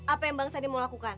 apa yang bang sandi mau lakukan